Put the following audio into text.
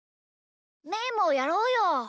みーもやろうよ。